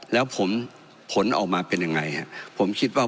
แล้วผมผลออกมาเป็นยังไงฮะผมคิดว่า